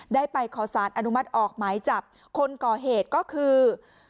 ได้ไปขอสารอนุมัติออกหมายจับคนก่อเหตุก็คือ